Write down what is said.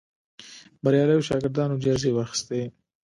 بریالیو شاګردانو جایزې واخیستې